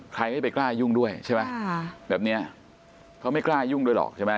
ใครไม่ไปกล้ายุ่งด้วยใช่ไหมแบบเนี้ยเขาไม่กล้ายุ่งด้วยหรอกใช่ไหม